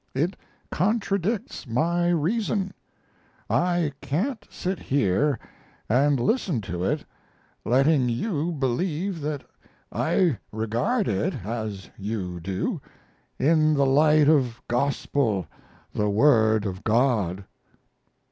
It contradicts my reason. I can't sit here and listen to it, letting you believe that I regard it, as you do, in the light of gospel, the word of God."